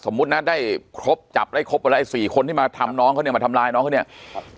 นะได้ครบจับได้ครบอะไรสี่คนที่มาทำน้องเขาเนี่ยมาทำร้ายน้องเขาเนี่ยครับ